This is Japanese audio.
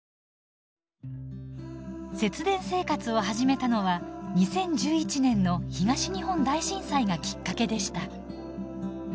節電生活を始めたのは２０１１年の東日本大震災がきっかけでした。